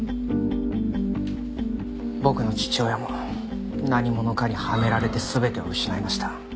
僕の父親も何者かにはめられて全てを失いました。